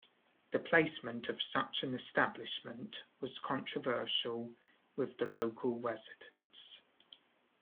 The placement of such an establishment was controversial with the local residents.